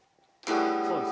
そうです。